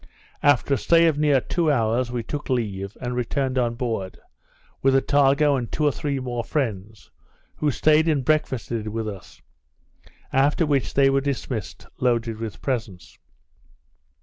After a stay of near two hours, we took leave, and returned on board, with Attago and two or three more friends, who staid and breakfasted with us; after which they were dismissed, loaded with presents.